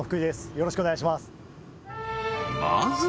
よろしくお願いします